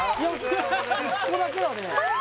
１個だけだねあれ？